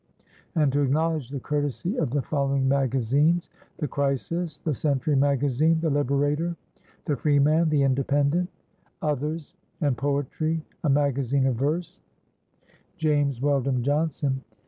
And to acknowledge the courtesy of the following magazines: The Crisis, The Century Magazine, The Liberator, The Freeman, The Independent, Others, and Poetry: A Magazine of Verse. James Weldon Johnson.